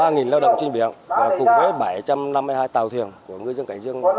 và ba lao động trên biển cùng với bảy trăm năm mươi hai tàu thuyền của người dân cảnh dương